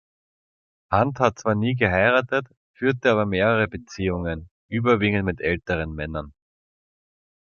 Hunt hat zwar nie geheiratet, führte aber mehrere Beziehungen, überwiegend mit älteren Männern.